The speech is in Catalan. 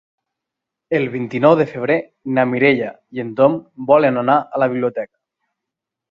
El vint-i-nou de febrer na Mireia i en Tom volen anar a la biblioteca.